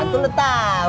tentu lo tau